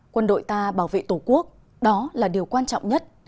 quân đội ta bảo vệ tổ quốc đó là điều quan trọng nhất